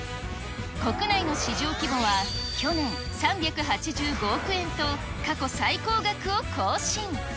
国内の市場規模は去年３８５億円と、過去最高額を更新。